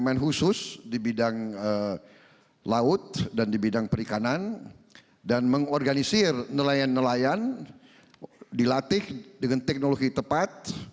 kami akan membuat bumn bumn khusus di bidang laut dan di bidang perikanan dan mengorganisir nelayan nelayan dilatih dengan teknologi tepat